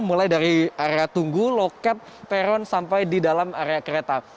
mulai dari area tunggu loket peron sampai di dalam area kereta